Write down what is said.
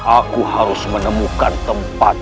aku harus menemukan tempat